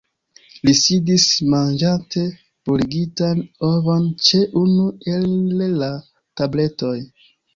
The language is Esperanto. Li sidis manĝante boligitan ovon ĉe unu el la tabletoj.